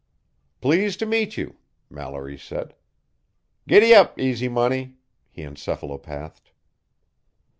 "Pleased to meet you," Mallory said. Giddy ap, Easy Money, he encephalopathed.